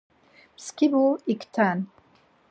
Mskibu ikten.